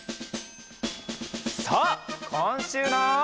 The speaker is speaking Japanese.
さあこんしゅうの。